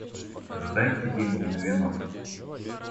Сдайте деньги на венок.